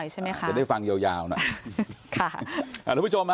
จะได้ฟังยาวหน่อย